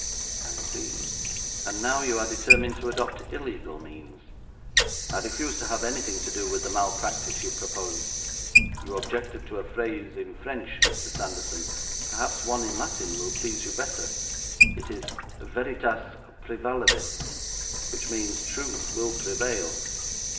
'I see. And now you are determined to adopt illegal means? I refuse to have anything to do with the malpractice you propose. You objected to a phrase in French, Mr. Sanderson, perhaps one in Latin will please you better. It is "Veritas praevalebit," which means, "Truth will prevail."